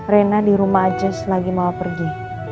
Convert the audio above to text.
rena di rumah aja selagi mama pergi